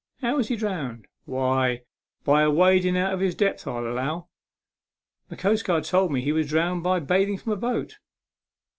How was he drowned ?"" Why, by awading out of his depth, I allow." "The coastguard told me he was drowned by bathing from a boat."